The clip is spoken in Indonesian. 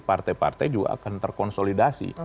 partai partai juga akan terkonsolidasi